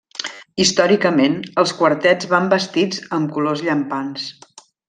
Històricament els quartets van vestits amb colors llampants.